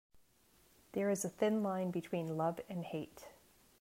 There is a thin line between love and hate.